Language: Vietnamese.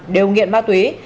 đều nghiện ma túy